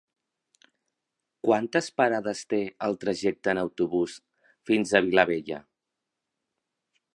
Quantes parades té el trajecte en autobús fins a Vilabella?